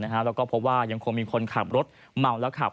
แล้วก็พบว่ายังคงมีคนขับรถเมาแล้วขับ